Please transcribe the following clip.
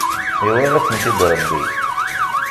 Iwala-tent-id Rebbi.